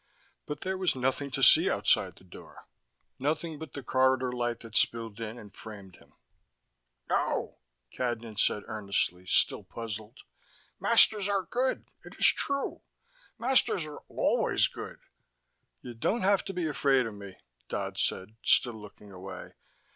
But there was nothing to see outside the door, nothing but the corridor light that spilled in and framed him. "No," Cadnan said earnestly, still puzzled. "Masters are good. It is true. Masters are always good." "You don't have to be afraid of me," Dodd said, still looking away.